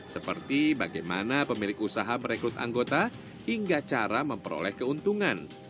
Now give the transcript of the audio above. seperti bagaimana pemilik usaha merekrut anggota hingga cara memperoleh keuntungan